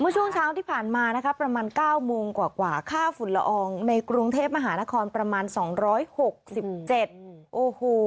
ช่วงเช้าที่ผ่านมานะคะประมาณ๙โมงกว่าค่าฝุ่นละอองในกรุงเทพมหานครประมาณ๒๖๗โอ้โห